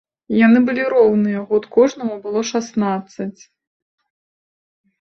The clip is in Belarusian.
Яны былі роўныя, год кожнаму было шаснаццаць.